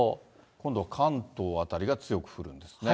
今度は関東辺りが強く降るんですね。